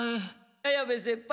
綾部先輩。